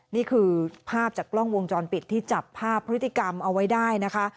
นี่คือภาพจากกล้องวงจรปิดที่จับภาพพฤติกรรมเอาไว้ได้นะคะ